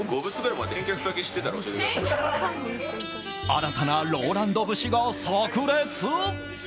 新たなＲＯＬＡＮＤ節が炸裂！